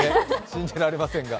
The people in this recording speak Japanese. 信じられませんが。